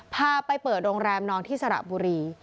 พาไปเปิดโรงแรมนอนที่สระบุรี